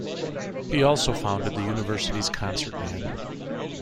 He also founded the University's concert band.